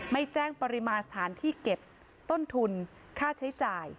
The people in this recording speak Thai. ไม่แจ้งปริมาณสถานที่เก็บต้นทุนค่าใช้จ่าย